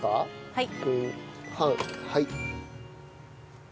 はい。